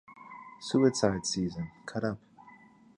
Suicide Season: Cut Up!